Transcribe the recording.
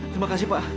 terima kasih pak